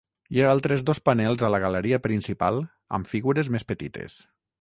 Hi ha altres dos panels a la galeria principal amb figures més petites.